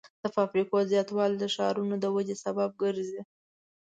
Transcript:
د فابریکو زیاتوالی د ښارونو د ودې سبب ګرځي.